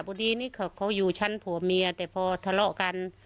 พอดีนี่เขาอยู่ชั้นผัวเมียแต่พอทะเลาะกัน